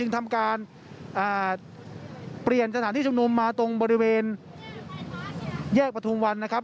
ทำการเปลี่ยนสถานที่ชุมนุมมาตรงบริเวณแยกประทุมวันนะครับ